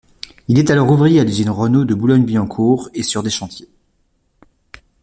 Il est alors ouvrier à l'usine Renault de Boulogne-Billancourt et sur des chantiers.